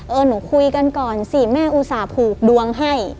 หนูคุยกันก่อนสิแม่อุตส่าห์ผูกดวงให้